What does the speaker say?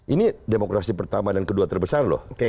ini demokrasi pertama dan kedua terbesar loh